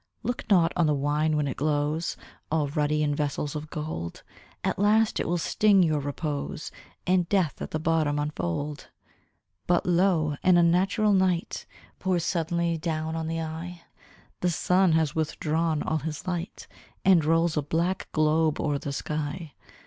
Look not on the wine when it glows All ruddy, in vessels of gold; At last it will sting your repose, And death at the bottom unfold. But lo! an unnatural night Pours suddenly down on the eye; The sun has withdrawn all his light, And rolls a black globe o'er the sky!